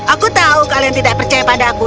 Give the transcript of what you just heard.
aku tahu kalian tidak percaya padaku